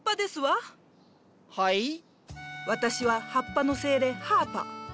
私は葉っぱの精霊ハーパ。